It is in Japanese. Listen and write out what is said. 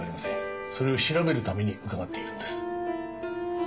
それを調べるために伺っているんです。